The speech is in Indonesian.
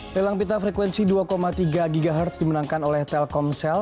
lelang pita frekuensi dua tiga ghz dimenangkan oleh telkomsel